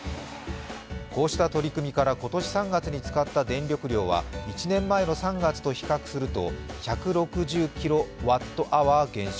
こうした取り組みから今年３月に使った電力量は１年前の３月と比較すると１６０ｋＷｈ減少。